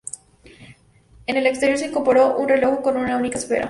En el exterior se incorporó un reloj con una única esfera.